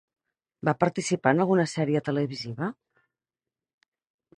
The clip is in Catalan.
Va participar en alguna sèrie televisiva?